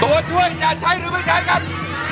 ตัวช่วยจะใช้หรือไม่ใช้ครับ